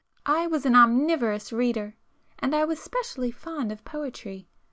I was an omnivorous reader,—and I was specially fond of poetry.